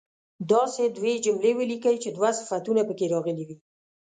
داسې دوې جملې ولیکئ چې دوه صفتونه په کې راغلي وي.